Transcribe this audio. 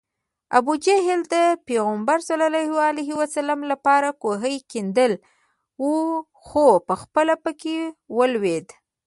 ابوجهل د پیغمبر ص لپاره کوهی کیندلی و خو پخپله پکې ولوېد